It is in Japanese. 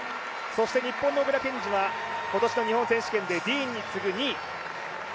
そして日本の小椋健司は今年の日本選手権でディーンに次ぐ２位。